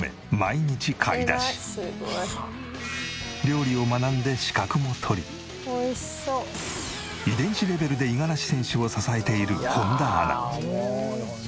料理を学んで資格も取り遺伝子レベルで五十嵐選手を支えている本田アナ。